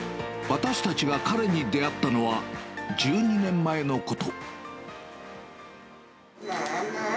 私たちが彼に出会ったのは、１２年前のこと。